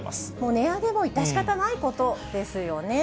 値上げも致し方ないことですよね。